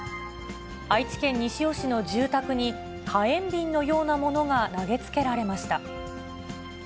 愛知県西尾市の住宅に、火炎瓶のようなものが投げつけられました。